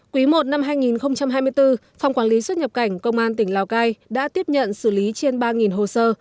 quý i năm hai nghìn hai mươi bốn phòng quản lý xuất nhập cảnh công an tỉnh lào cai đã tiếp nhận xử lý trên ba hồ sơ